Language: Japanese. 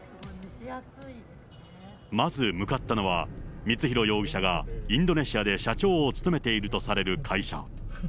まず向かったのは、光弘容疑者がインドネシアで社長を務めているとされる会社。